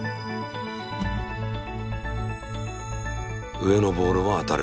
上のボールは当たる。